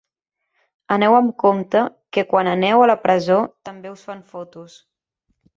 Aneu amb compte que quan aneu a la presó també us fan fotos.